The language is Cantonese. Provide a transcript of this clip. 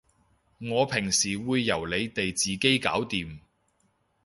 我平時會由你哋自己搞掂